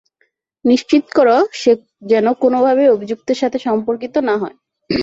নিশ্চিত করো, সে যেন কোনোভাবেই অভিযুক্তের সাথে সম্পর্কিত না হয়।